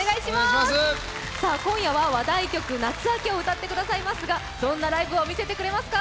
今夜は話題曲「夏暁」を歌ってくださいますがどんなライブを見せていただけますか？